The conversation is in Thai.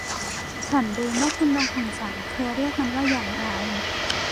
ฉันลืมว่าคุณลุงของฉันเคยเรียกมันว่าอย่างไร